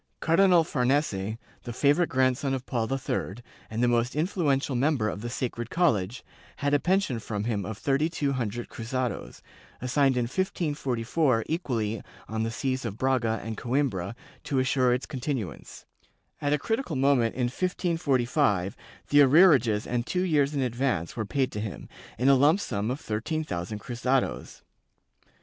Cardinal Farnese, the favorite grandson of Paul III, and the most influ ential member of the Sacred College, had a pension from him of thirty two hundred cruzados, assigned in 1544 equally on the sees of Braga and Coimbra to assure its continuance : at a critical moment, in 1545, the arrearages and two years in advance were paid to him, in a lump sum of thirteen thousand cruzados.